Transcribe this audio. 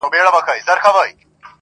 له ورک یوسفه تعبیرونه غوښتل!!